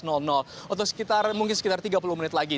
untuk mungkin sekitar tiga puluh menit lagi